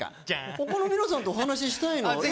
他の皆さんとお話ししたいのよ。